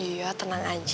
iya tenang aja